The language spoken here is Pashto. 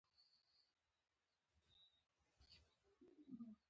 ما له خپلو مخالفینو سره یو تړون وکړ